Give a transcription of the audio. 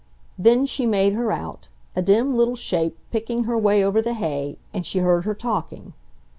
Then she made her out, a dim little shape, picking her way over the hay, and she heard her talking.